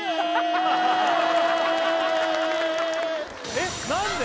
えっ何で？